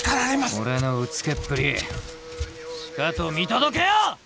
俺のうつけっぷりしかと見届けよ！